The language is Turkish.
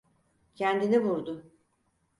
Kendini vurdu.